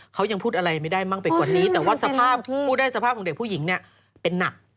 เขายังพูดอะไรไม่ได้มากไปกว่านี้แต่ว่าสภาพพูดได้สภาพของเด็กผู้หญิงเนี่ยเป็นหนัก